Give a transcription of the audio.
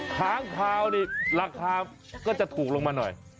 ค้างคาวนี่ราคาก็จะถูกลงมาหน่อย